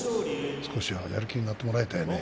少しはやる気になってもらいたいね。